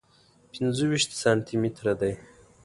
پنځه ویشت سانتي متره دی.